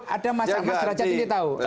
ada masalah mas derajat ini tau